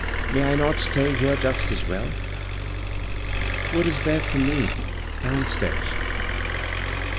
May I not stay here just as well ? What is there for me down stairs?"